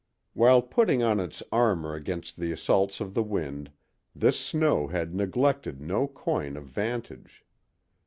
While putting on its armor against the assaults of the wind, this snow had neglected no coign of vantage.